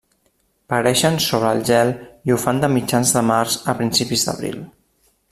Pareixen sobre el gel i ho fan de mitjans de març a principis d'abril.